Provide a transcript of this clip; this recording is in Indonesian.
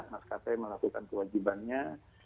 mas kapey melakukan kewajibannya